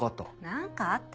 「何かあった？」